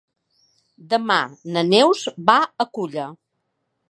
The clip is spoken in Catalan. Demà na Neus va a Culla.